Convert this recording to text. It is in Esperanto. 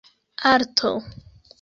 arto